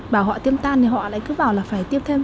bảo họ tiêm tan thì họ lại cứ vào là phải tiêm thêm